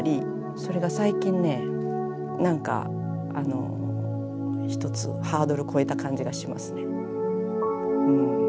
それが最近ねなんかあの一つハードル越えた感じがしますね。